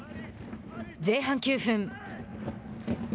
前半９分。